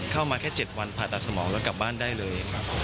เข้ามาแค่๗วันผ่าตัดสมองแล้วกลับบ้านได้เลย